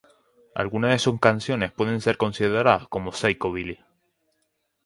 Algunas de sus canciones pueden ser consideradas como psychobilly.